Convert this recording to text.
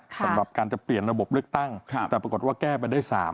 สำหรับการจะเปลี่ยนระบบเลือกตั้งแต่ปรากฏว่าแก้ไปได้๓